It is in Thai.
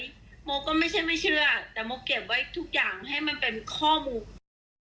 โมก็ไม่ใช่ไม่เชื่อแต่โมเก็บไว้ทุกอย่างให้มันเป็นข้อมูล